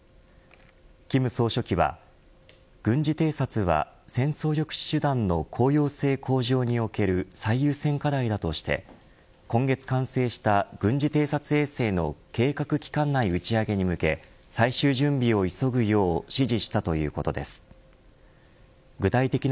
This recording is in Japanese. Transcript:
金総書記は軍事偵察は戦争抑止手段の効用性向上における最重要課題だとして今月完成した、軍事偵察衛星の計画期間内打ち上げに向け最終準備を急ぐよう「ビオレＵＶ」